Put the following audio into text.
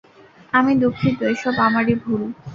আমি দুঃখিত, এসব আমারই ভুল।